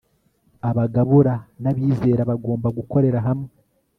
abagabura n'abizera bagomba gukorera hamwe